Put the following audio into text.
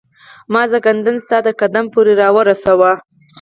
ما زکندن ستا تر قدم پوري را ورساوه